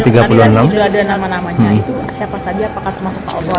itu siapa saja apakah termasuk pak otoha